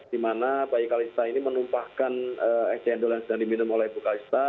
di mana bayi kalista ini menumpahkan ex cendol yang sedang diminum oleh ibu kalista